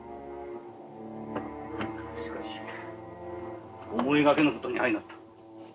しかし思いがけぬことに相成った。